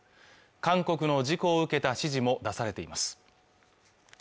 韓国の事故を受けた指示も出されています